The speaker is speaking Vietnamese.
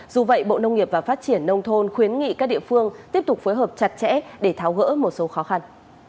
dù vậy bộ nông nghiệp và phát triển nông thôn khuyến nghị các địa phương tiếp tục phối hợp chặt chẽ để tháo gỡ một số khó khăn